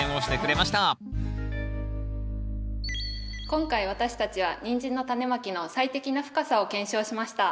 今回私たちはニンジンのタネまきの最適な深さを検証しました。